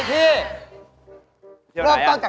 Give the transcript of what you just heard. เป็นไง